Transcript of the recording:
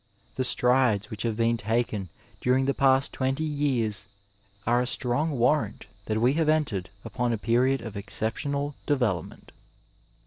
The strides which have been taken during the past twenty years are a strong warrant that we have entered upon a period of excep tional development.